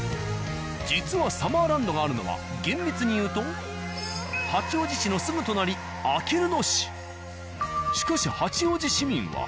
実はサマーランドがあるのは厳密にいうと八王子市のすぐ隣あきる野市。